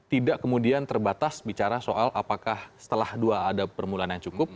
tidak kemudian terbatas bicara soal apakah setelah dua ada permulaan yang cukup